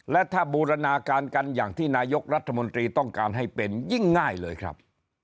และถ้าบูรณาการกันอย่างที่นายกรัฐมนตรีต้องการให้เป็นยิ่งง่ายเลยครับ